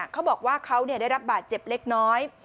เขาบอกว่าเขาได้รับบาดเจ็บเล็กน้อย